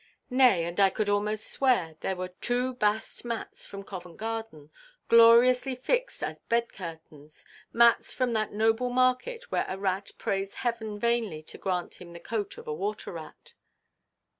Nay, and I could almost swear there were two bast mats from Covent Garden, gloriously fixed as bed curtains, mats from that noble market where a rat prays heaven vainly to grant him the coat of a water–rat.